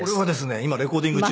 今レコーディング中。